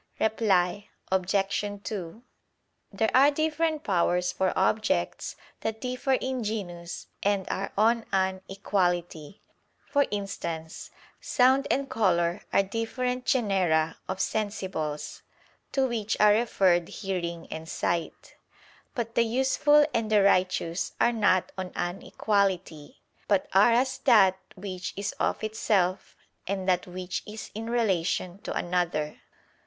Reply Obj. 2: There are different powers for objects that differ in genus and are on an equality; for instance, sound and color are different genera of sensibles, to which are referred hearing and sight. But the useful and the righteous are not on an equality, but are as that which is of itself, and that which is in relation to another.